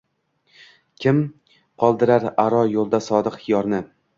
Kim qoldirar aro yo‘lda sodiq yorni?